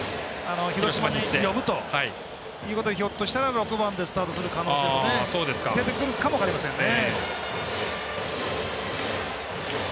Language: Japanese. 広島に呼ぶということでひょっとしたら６番でスタートする可能性も出てくるかも分かりませんね。